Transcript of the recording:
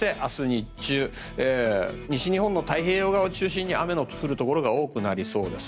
日中西日本の太平洋側を中心に雨の降るところが多くなりそうです。